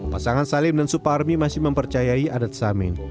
pasangan salim dan suparmi masih mempercayai adat samin